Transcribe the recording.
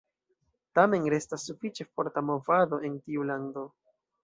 Tamen restas sufiĉe forta movado en tiu lando.